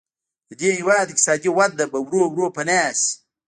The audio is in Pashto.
د دې هېواد اقتصادي وده به ورو ورو پناه شي.